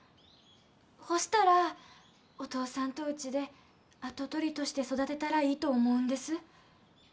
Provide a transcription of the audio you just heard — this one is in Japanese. ほしたらお父さんとうちで跡取りとして育てたらいいと思うんです